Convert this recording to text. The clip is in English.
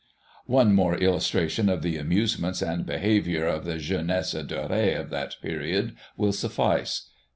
One more illustration of the amusements and behaviour of the jeunesse dork of that period will suffice.